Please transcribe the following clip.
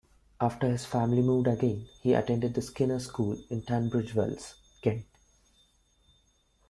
After his family moved again, he attended the Skinners' School in Tunbridge Wells, Kent.